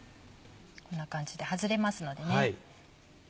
こんな感じで外れますのでね。